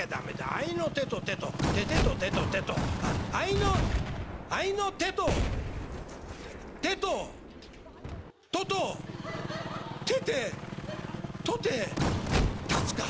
『あいの手と手と手々と手と手と』」。「あいのあいの手と手とととててとてたつか。